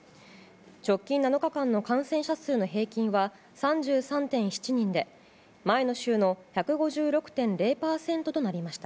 直近７日間の感染者数の平均は３３．７人で前の週の１５６．０％となりました。